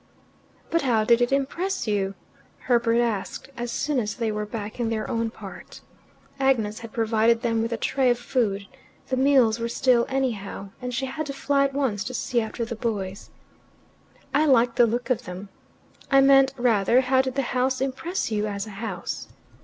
"But how did it impress you?" Herbert asked, as soon as they were back in their own part. Agnes had provided them with a tray of food: the meals were still anyhow, and she had to fly at once to see after the boys. "I liked the look of them." "I meant rather, how did the house impress you as a house?"